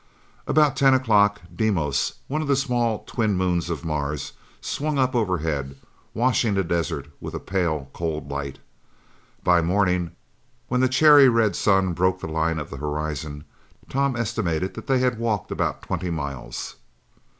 About ten o'clock, Deimos, one of the small twin moons of Mars, swung up overhead, washing the desert with a pale cold light. By morning, when the cherry red sun broke the line of the horizon, Tom estimated that they had walked about twenty miles.